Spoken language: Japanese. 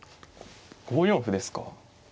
５四歩ですか。